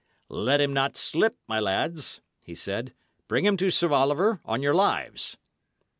"Let him not slip, my lads," he said. "Bring him to Sir Oliver, on your lives!"